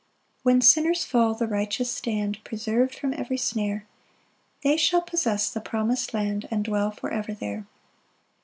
6 When sinners fall, the righteous stand, Preserv'd from every snare; They shall possess the promis'd land, And dwell for ever there.